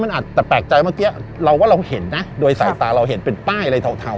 มันอาจจะแปลกใจเมื่อกี้เราว่าเราเห็นนะโดยสายตาเราเห็นเป็นป้ายอะไรเทา